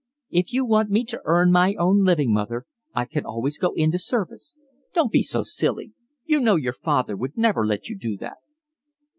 "If you want me to earn my own living, mother, I can always go into service." "Don't be so silly, you know your father would never let you do that."